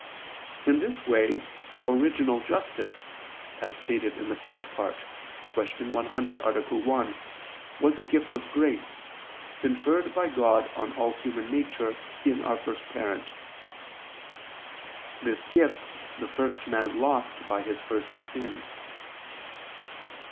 In this way original justice, as stated in the First Part (Q. 100, A. 1), was a gift of grace, conferred by God on all human nature in our first parent. This gift the first man lost by his first sin.